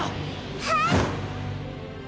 はい！